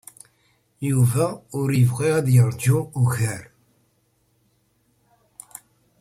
Yuba ur yebɣi ad yeṛju ugar.